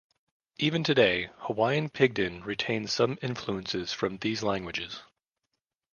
Even today, Hawaiian Pidgin retains some influences from these languages.